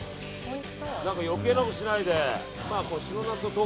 なんか余計なことしないで。